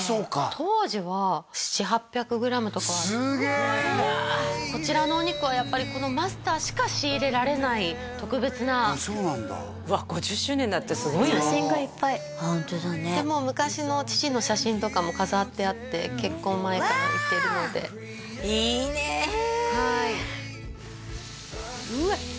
すごいわこちらのお肉はやっぱりこのマスターしか仕入れられない特別なそうなんだうわ５０周年だってすごいね写真がいっぱいでもう昔の父の写真とかも飾ってあって結婚前から行ってるのでいいねはいうわ！